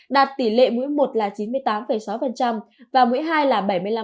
đạt tỷ lệ mũi một là chín mươi tám sáu và mũi hai là bảy mươi năm ba mươi bốn